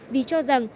vì cho rằng